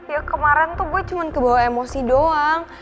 ya kemarin tuh gue cuma kebawa emosi doang